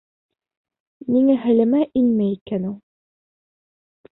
Ниңә хәлемә инмәй икән ул?